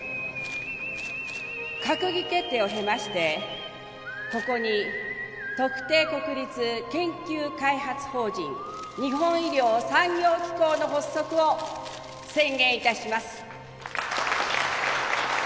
「閣議決定を経ましてここに特定国立研究開発法人日本医療産業機構の発足を宣言致します」